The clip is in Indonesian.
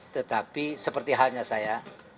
tetapi seperti halnya saya